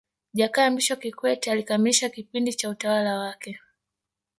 Jakaya Mrisho Kikwete alikamilisha kipindi cha utawala wake